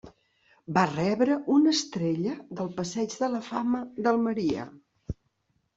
Va rebre una estrella del Passeig de la Fama d'Almeria.